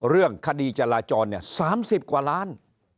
เรื่องคดีจราจรเนี่ย๓๐กว่าล้าน